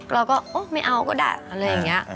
เราก็ไม่เอาก็ได้อะไรอย่างนี้